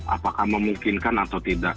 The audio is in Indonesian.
apakah memungkinkan atau tidak